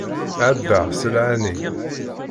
Ɛebbaɣ sselɛa-nni.